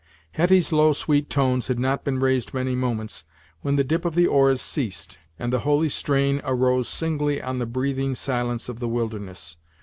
Hetty's low, sweet tones had not been raised many moments, when the dip of the oars ceased, and the holy strain arose singly on the breathing silence of the wilderness.